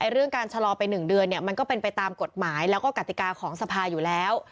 เรื่องการชะลอไป๑เดือนมันก็เป็นไปตามกฎหมายแล้วก็กติกาของสภาอยู่แล้ว